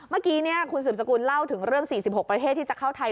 เมื่อกี้คุณสืบสกุลเล่าถึงเรื่อง๔๖ประเทศที่จะเข้าไทย